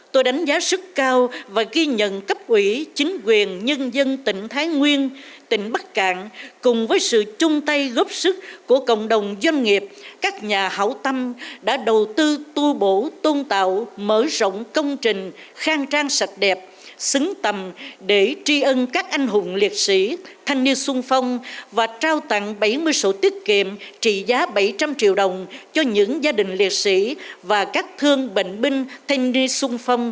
tôi đánh giá sức cao và ghi nhận cấp ủy chính quyền nhân dân tỉnh thái nguyên tỉnh bắc cạn cùng với sự chung tay góp sức của cộng đồng doanh nghiệp các nhà hảo tâm đã đầu tư tu bổ tôn tạo mở rộng công trình khang trang sạch đẹp xứng tầm để tri ân các anh hùng liệt sĩ thanh niên sung phong và trao tặng bảy mươi sổ tiết kiệm trị giá bảy trăm linh triệu đồng cho những gia đình liệt sĩ và các thương bệnh binh thanh niên sung phong